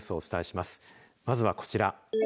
まずはこちら。